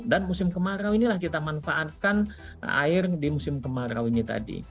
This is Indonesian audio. dan musim kemarau inilah kita manfaatkan air di musim kemarau ini tadi